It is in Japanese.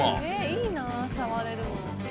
いいなぁ触れるの。